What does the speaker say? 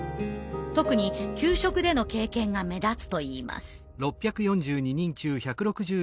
特に給食での経験が目立つといいます。